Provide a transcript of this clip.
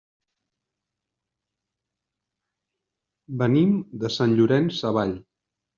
Venim de Sant Llorenç Savall.